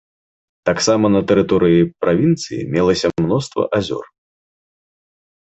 Таксама на тэрыторыі правінцыі мелася мноства азёр.